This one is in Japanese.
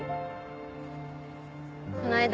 こないだ